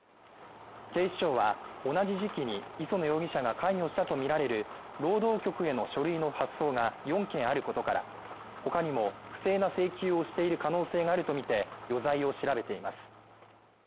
警視庁は、同じ時期に磯野容疑者が関与したとみられる労働局への書類の発送が４件あることから、他にも不正な請求をしている可能性があるとみて、余罪を調べています。